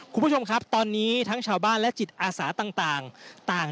คุณผู้ชมครับตอนนี้ทั้งชาวบ้านและจิตอาสาต่าง